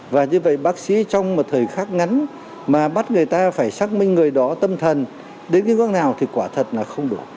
và như vậy bác sĩ trong một thời khắc ngắn mà bắt người ta phải xác minh người đó tâm thần đến cái hướng nào thì quả thật là không đủ